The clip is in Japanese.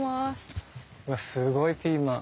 わっすごいピーマン。